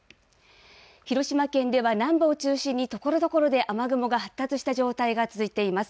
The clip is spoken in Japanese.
広島県では、南部を中心にところどころで雨雲が発達した状態が続いています。